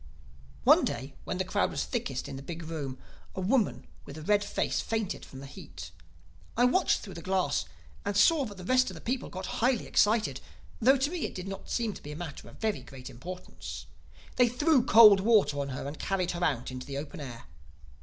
"One day, when the crowd was thickest in the big room, a woman with a red face fainted from the heat. I watched through the glass and saw that the rest of the people got highly excited—though to me it did not seem to be a matter of very great importance. They threw cold water on her and carried her out into the open air.